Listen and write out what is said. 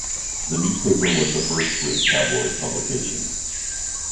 The newspaper was the first Swiss tabloid publication.